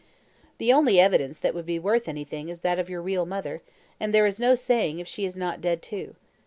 The only evidence that would be worth anything is that of your real mother, and there is no saying if she is not dead too.